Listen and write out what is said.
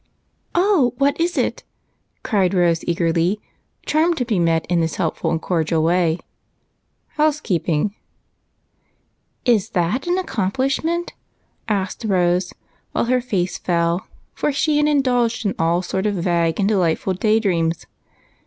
" Oh, what is it ?" cried Rose eagerly, charmed to be met in this heljDful and cordial way. " Housekeeping !" answered Dr. Alec. "Is that an accomplishment?" asked Rose, while her face fell, for she had indulged in all sorts of vague, delightful dreams.